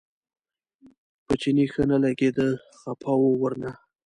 په چیني ښه نه لګېده خپه و ورنه.